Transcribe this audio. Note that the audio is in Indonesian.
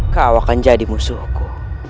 kau akan jadi musuhku